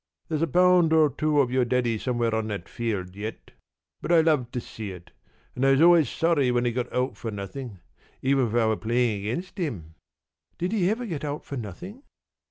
There's a pound or two of your Daddy somewhere on that field yet. But I loved to see it, and I was always sorry when he got out for nothing, even if I were playing against him." "Did he ever get out for nothing?"